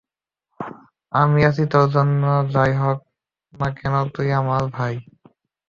আমি আছি তোর জন্য, যাই হোক না কেন, তুই আমার ভাই।